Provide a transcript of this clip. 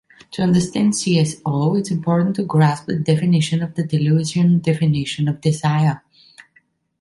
To understand CsO it’s important to grasp the definition of the Deleuzian definition of desire.